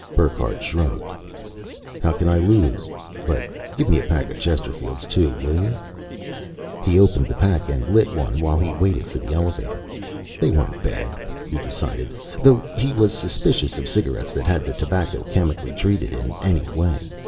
Burckhardt shrugged. "How can I lose? But give me a pack of Chesterfields, too, will you?" He opened the pack and lit one while he waited for the elevator. They weren't bad, he decided, though he was suspicious of cigarettes that had the tobacco chemically treated in any way.